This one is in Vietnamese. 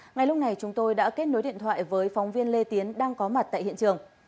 ngay lúc này chúng tôi đã kết nối điện thoại với phóng viên lê tiến đang có mặt tại hiện trường